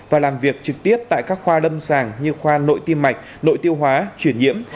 và làm việc trực tiếp tại các khoa lâm sàng như khoa nội tim mạch nội tiêu hóa chuyển nhiễm